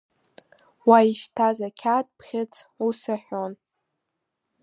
Уа ишьҭаз ақьаад бӷьыц ус аҳәон…